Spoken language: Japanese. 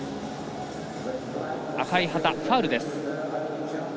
赤い旗、ファウルです。